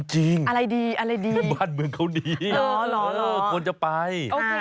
อะไรดีอะไรดีบ้านเมืองเขาดีควรจะไป